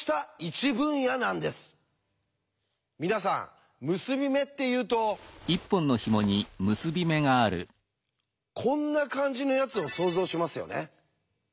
皆さん結び目っていうとこんな感じのやつを想像しますよね？